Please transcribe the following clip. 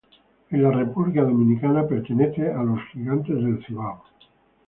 En República Dominicana Pertenece a Gigantes del Cibao